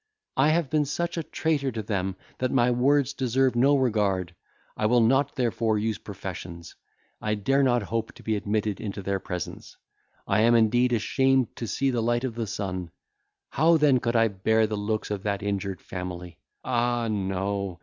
I have been such a traitor to them, that my words deserve no regard. I will not therefore use professions. I dare not hope to be admitted into their presence. I am indeed ashamed to see the light of the sun. How then could I bear the looks of that injured family? ah, no!